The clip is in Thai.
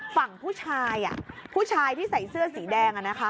ฝั่งผู้ชายผู้ชายที่ใส่เสื้อสีแดง